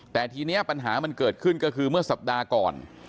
แต่ทีนี้ปัญหามันเกิดขึ้นก็คือเมื่อสัปดาห์ก่อน